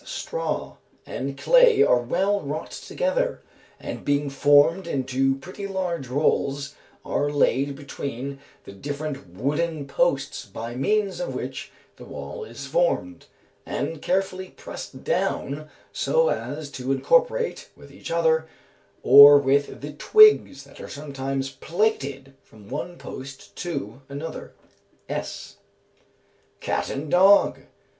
Straw and clay are well wrought together, and being formed into pretty large rolls, are laid between the different wooden posts by means of which the wall is formed, and carefully pressed down so as to incorporate with each other, or with the twigs that are sometimes plaited from one post to another (S.). _Cat and Dog.